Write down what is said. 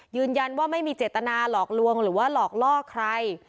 ยืนยันว่าไม่มีเจตนาหลอกลวงหรือว่าหลอกล่อใคร